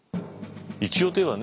一葉といえばね